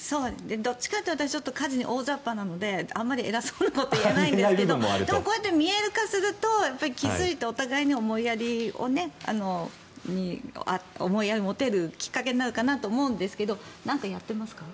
どっちかというと私は家事に大ざっぱなのであまり偉そうなこと言えないんですがでも、こうやって見える化するとお互いに思いやりを持てるきっかけになるかなと思うんですが何かやってますか？